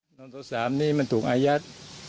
ตอนต่อสามนี่มันถูกอายัด